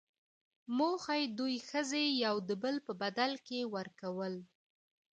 موخۍ، دوې ښځي يو دبل په بدل کي ورکول.